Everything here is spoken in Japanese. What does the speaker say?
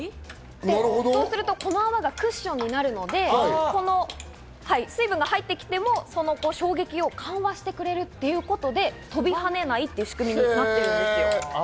そうすると、この泡がクッションになるので、水分が入ってきても、衝撃を緩和してくれるっていうことで飛び跳ねないっていう仕組みになってるんですよ。